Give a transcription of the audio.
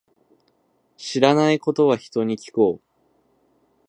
知らないことは、人に聞こう。